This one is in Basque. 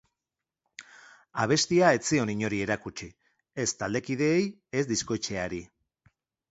Abestia ez zion inori erakutsi, ez taldekideei ez diskoetxeari.